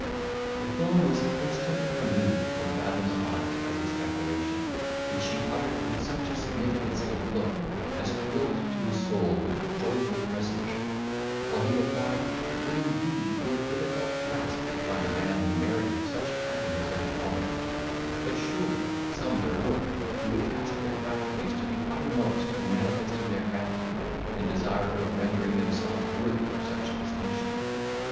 The film was instantly removed from Fathom's eyes by this declaration, which she uttered with such a significancy of look, as thrilled to his soul with joyful presage, while he replied, it would, indeed, be a difficult task to find a man who merited such happiness and honour; but, surely, some there were, who would task their faculties to the uttermost, in manifesting their gratitude, and desire of rendering themselves worthy of such distinction.